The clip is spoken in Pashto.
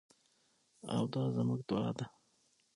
او دا زموږ دعا ده.